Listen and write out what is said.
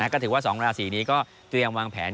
ก็ถือว่า๒ราศีนี้ก็เตรียมวางแผน